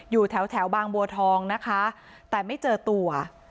อยู่แถวบางบัวทองนะคะแต่ไม่เจอตัว